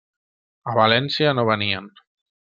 A València no venien.